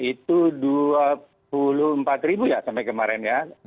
itu dua puluh empat ribu ya sampai kemarin ya